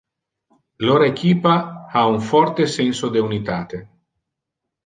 Lor equipa ha un forte senso de unitate.